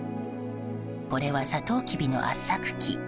これはサトウキビの圧搾機。